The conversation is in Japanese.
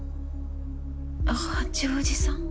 八王子さん？